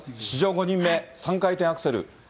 史上５人目、３回転アクセル。